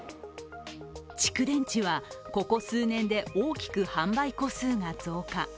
蓄電池はここ数年で大きく販売個数が増加。